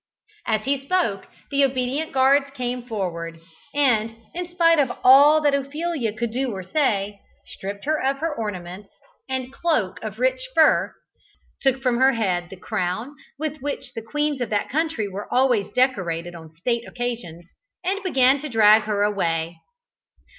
As he spoke, the obedient guards came forward; and, in spite of all that Ophelia could do or say, stripped her of her ornaments, and cloak of rich fur, took from her head the crown with which the queens of that country were always decorated on state occasions, and began to drag her away.